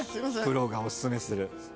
プロがオススメする。